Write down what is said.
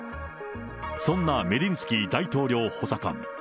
そんなメディンスキー大統領補佐官。